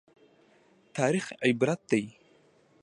تاریخ عبرت دی